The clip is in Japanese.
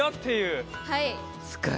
はい。